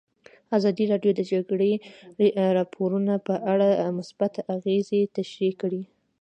ازادي راډیو د د جګړې راپورونه په اړه مثبت اغېزې تشریح کړي.